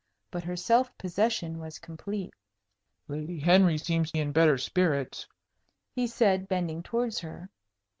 But her self possession was complete. "Lady Henry seems in better spirits," he said, bending towards her.